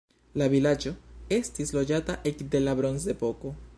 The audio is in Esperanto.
La vilaĝo estis loĝata ekde la bronzepoko.